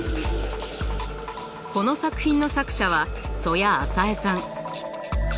この作品の作者は曽谷朝絵さん。